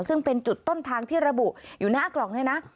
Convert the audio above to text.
ซึ่งเป็นจุดต้นทางที่ระบุอยู่หน้ากล่องเนี่ยนะ